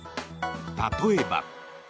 例えば。